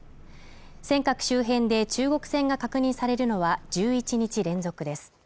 尖閣周辺で中国船が確認されるのは１１日連続です。